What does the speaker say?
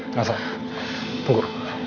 nggak sah tunggu